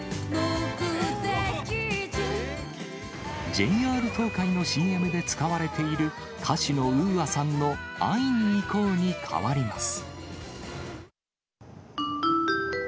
ＪＲ東海のＣＭで使われている、歌手のＵＡさんの会いにいこうに変わります。